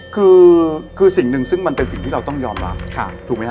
คือสิ่งหนึ่งซึ่งมันเป็นสิ่งที่เราต้องยอมรับถูกไหมฮ